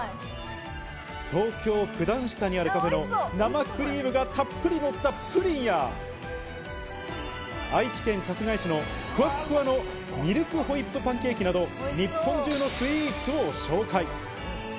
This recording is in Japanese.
東京・九段下にあるカフェの生クリームがたっぷりのったプリンや、愛知県春日井市のふわふわのミルクホイップパンケーキなど、日本中のスイーツを紹介。